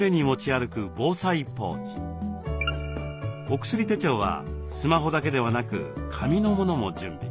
おくすり手帳はスマホだけではなく紙のものも準備。